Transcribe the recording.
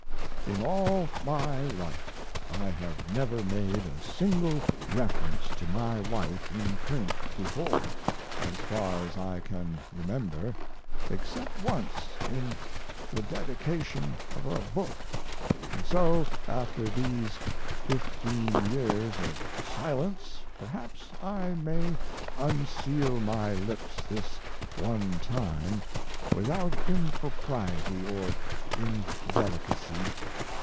In all my life I have never made a single reference to my wife in print before, as far as I can remember, except once in the dedication of a book; and so, after these fifteen years of silence, perhaps I may unseal my lips this one time without impropriety or indelicacy.